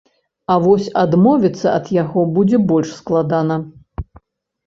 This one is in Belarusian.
А вось адмовіцца ад яго будзе больш складана.